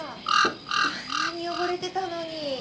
あんなに汚れてたのに。